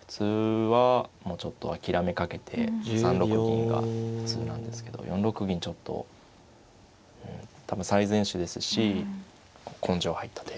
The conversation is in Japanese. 普通はもうちょっと諦めかけて３六銀が普通なんですけど４六銀ちょっと多分最善手ですし根性入った手。